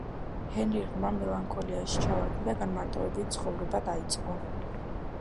ჰენრი ღრმა მელანქოლიაში ჩავარდა და განმარტოვებით ცხოვრება დაიწყო.